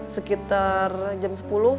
sekitar jam sepuluh